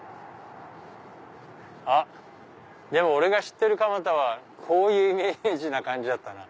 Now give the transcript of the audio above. あっでも俺が知ってる蒲田はこういうイメージな感じだった。